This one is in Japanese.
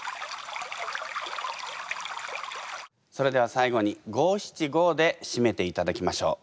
それでは最後に五・七・五でしめていただきましょう。